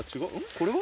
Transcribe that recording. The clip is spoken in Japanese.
これは？